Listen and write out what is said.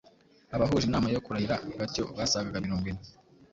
Abahuje inama yo kurahira batyo basagaga mirongo ine.”